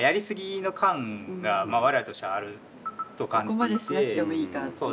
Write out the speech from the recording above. ここまでしなくてもいいかっていう。